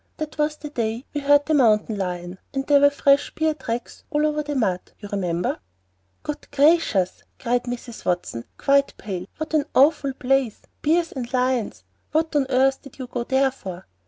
That was the day we heard the mountain lion, and there were fresh bear tracks all over the mud, you remember." "Good gracious!" cried Mrs. Watson, quite pale; "what an awful place! Bears and lions! What on earth did you go there for?"